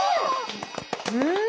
うん！